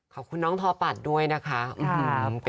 ขอบคุณน้องทอปัดด้วยนะคะ